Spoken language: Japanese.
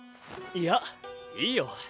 いやいいよ。